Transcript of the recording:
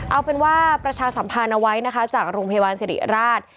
เอาเป็นว่าประชาสัมพันธ์เอาไว้นะคะจากโรงพยาบาลสิริราช